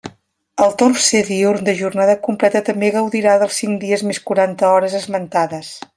El torn C diürn de jornada completa, també gaudirà dels cinc dies més quaranta hores esmentades.